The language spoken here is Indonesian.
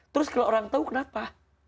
terus kalau orang tahu kenapa